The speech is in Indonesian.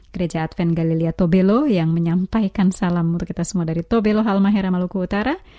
gereja advent galilea tobelo yang menyampaikan salam untuk kita semua dari tobelo halmahera maluku utara